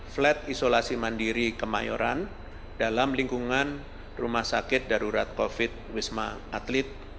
flat isolasi mandiri kemayoran dalam lingkungan rumah sakit darurat covid sembilan belas wisma atlet